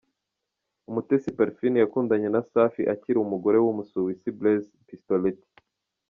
Umutesi Parfine yakundanye na Safi akiri umugore w’Umusuwisi Blaise Pistoletti.